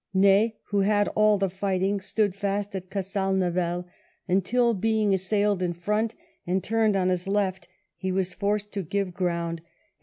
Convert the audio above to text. Ney, who hud all the fighting, stood fast at Casal Navel until, being assailed in front and turned on his left, he was forced to give ground ; and L 146 WELLINGTON chap.